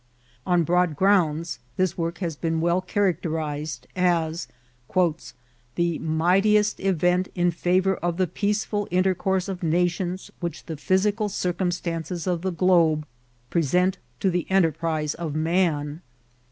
On broad grounds, this work has been well charac« terized as ^^ the mightiest event in favour of the peace* ful intercourse of nations which the physical circum stances of the globe present to the enterprise of man."